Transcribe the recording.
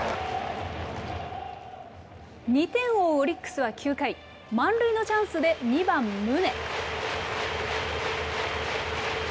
２点を追うオリックスは９回、満塁のチャンスで２番宗。